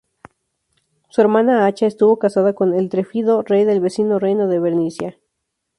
Su hermana Acha estuvo casada con Etelfrido, rey del vecino reino de Bernicia.